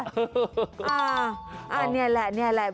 ฮ่าอ่านี่แหละนี่แหละ